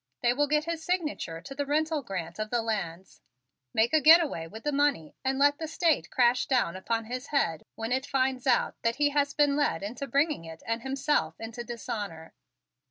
They will get his signature to the rental grant of the lands, make a get away with the money and let the State crash down upon his head when it finds out that he has been led into bringing it and himself into dishonor.